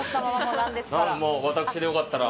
私で良かったら。